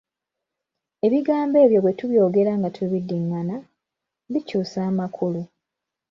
Ebigambo ebyo bwe tubyogera nga tubiddingana, bikyusa amakulu.